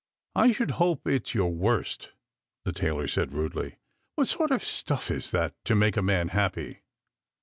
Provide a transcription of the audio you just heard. " I should hope it's your worst," the tailor said rudely. " What sort of stuff is that to make a man happy?"